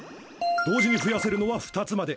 同時に増やせるのは２つまで。